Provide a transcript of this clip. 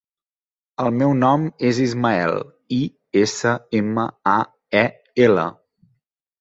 El meu nom és Ismael: i, essa, ema, a, e, ela.